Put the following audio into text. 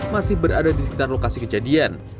masih berada di sekitar lokasi kejadian